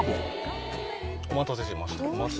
お待たせしました。